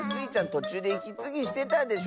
とちゅうでいきつぎしてたでしょ。